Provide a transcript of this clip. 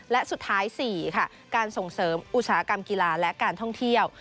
และสุดท้าย๔ค่ะการส่งเสริมอุตสาหกรรมกีฬาและการท่องเที่ยว